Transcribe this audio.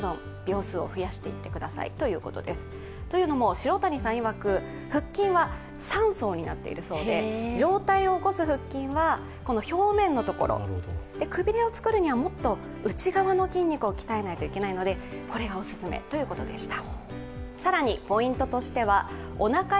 城谷さんいわく、腹筋は酸素になっているそうで、上体を起こす腹筋は上の部分、くびれを作るにはもっと内側の筋肉を鍛えないといけないのでこれがお勧めということでした。